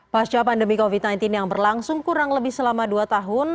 pasca pandemi covid sembilan belas yang berlangsung kurang lebih selama dua tahun